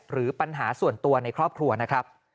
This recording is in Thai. หรือปัญหาส่วนตัวในครอบครัวนะครับ